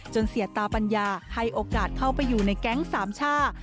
เสียตาปัญญาให้โอกาสเข้าไปอยู่ในแก๊งสามช่า